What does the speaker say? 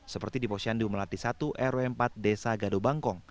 seperti di posyandu melati satu rw empat desa gado bangkong